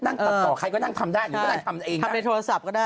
ตัดต่อใครก็นั่งทำได้อันนี้ก็นั่งทำเองทำในโทรศัพท์ก็ได้